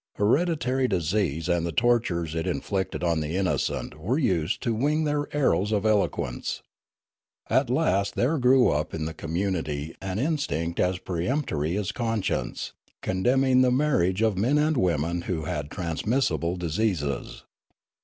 Heredit ary disease and the tortures it inflicted on the innocent were used to wing their arrows of eloquence. At last there grew up in the community an instinct as perempt ory as conscience, condemning the marriage of men and women who had transmissible diseases.